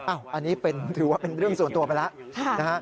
อันนี้ถือว่าเป็นเรื่องส่วนตัวไปแล้วนะฮะ